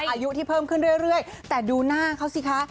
อายุที่เพิ่มขึ้นเรื่อยแต่ดูหน้าเขาสิคะ